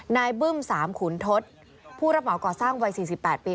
บึ้ม๓ขุนทศผู้รับเหมาก่อสร้างวัย๔๘ปี